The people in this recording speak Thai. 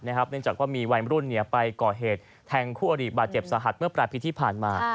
เนื่องจากว่ามีวัยรุ่นไปก่อเหตุแทงคู่อริบาดเจ็บสาหัสเมื่อ๘ปีที่ผ่านมา